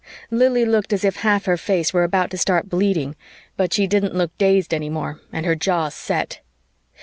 Lili looked as if half her face were about to start bleeding, but she didn't look dazed any more and her jaw set.